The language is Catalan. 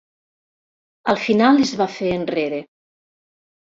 Al final es va fer enrere.